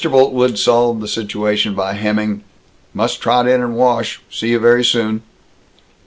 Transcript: Boltwood solved the situation by hemming, "Must trot in and wash. See you very soon."